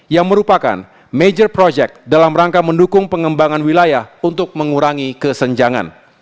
yang merupakan major project dalam rangka mendukung pengembangan wilayah untuk mengurangi kesenjangan